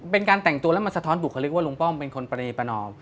เป็นการแต่งตัวแล้วมันสะท้อนบุคลิกว่าลุงป้อมเป็นคนปรณีประนอม